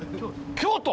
京都！？